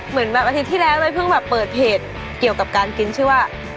เหมือนแบบอาทิตย์ที่แล้วเลยเพิ่งแบบเปิดเพจเกี่ยวกับการกินชื่อว่า